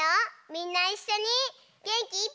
みんないっしょにげんきいっぱい。